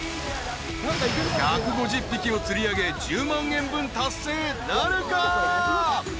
［１５０匹を釣り上げ１０万円分達成なるか？］